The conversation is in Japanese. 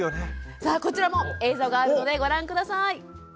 さあこちらも映像があるのでご覧下さい。